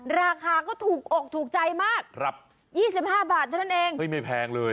ราคาก็ถูกอกถูกใจมากครับยี่สิบห้าบาทเท่านั้นเองเฮ้ยไม่แพงเลย